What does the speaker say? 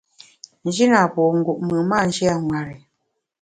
N’ji na po ngup mùn, m’a nji a tu nwer-i.